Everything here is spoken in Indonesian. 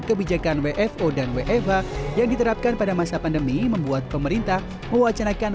kebijakan wfo dan wfa yang diterapkan pada masa pandemi membuat pemerintah mewacanakan